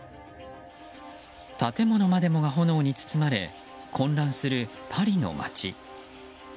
建物までもが炎に包まれ混乱するパリの街。